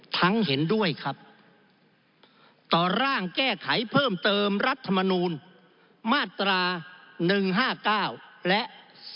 เห็นด้วยครับต่อร่างแก้ไขเพิ่มเติมรัฐมนูลมาตรา๑๕๙และ๒๕๖